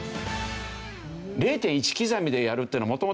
０．１刻みでやるっていうの元々